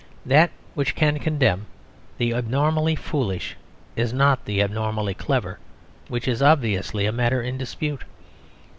That which can condemn the abnormally foolish is not the abnormally clever, which is obviously a matter in dispute.